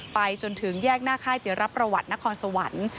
ไปจนถึงแยกหน้าค่ายเจรประวัตินครสวรรค์